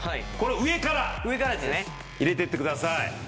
上から入れてってください。